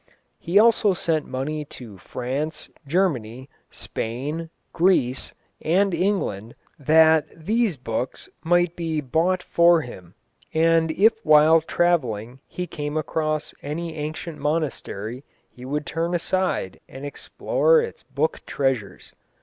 He also sent money to France, Germany, Spain, Greece, and England that these books might be bought for him, and if while travelling he came across any ancient monastery he would turn aside and explore its book treasures.